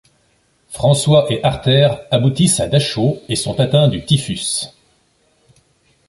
François et Harter aboutissent à Dachau et sont atteints du typhus.